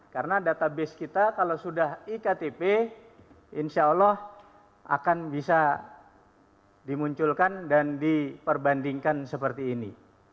karena database kita kalau sudah iktp insya allah akan bisa dimunculkan dan diperbandingkan seperti ini